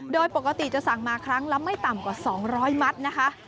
โดยปกติจะสั่งมาครั้งละไม่ต่ำกว่า๒๐๐มัตต์นะคะ